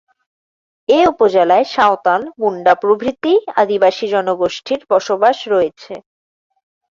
এ উপজেলায় সাঁওতাল, মুন্ডা প্রভৃতি আদিবাসী জনগোষ্ঠীর বসবাস রয়েছে।